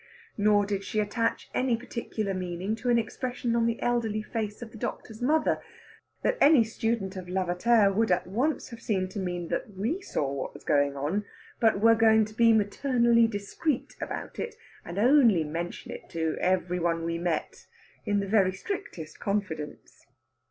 Nor did she attach any particular meaning to an expression on the elderly face of the doctor's mother that any student of Lavater would at once have seen to mean that we saw what was going on, but were going to be maternally discreet about it, and only mention it to every one we met in the very strictest confidence.